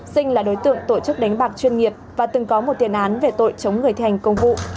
sinh là đối tượng tổ chức đánh bạc chuyên nghiệp và từng có một tiền án về tội chống người thi hành công vụ